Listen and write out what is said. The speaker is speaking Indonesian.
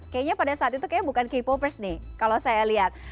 kayaknya pada saat itu kayaknya bukan k popers nih kalau saya lihat